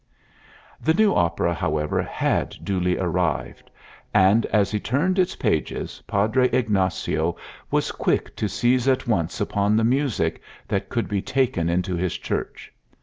The new opera, however, had duly arrived. And as he turned its pages Padre Ignacio was quick to seize at once upon the music that could be taken into his church.